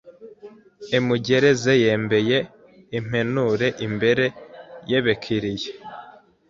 emugeregeze yembeye impenure imbere y’ebekiliye.